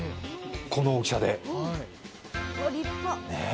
この大きさで。